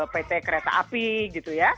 pt kereta api gitu ya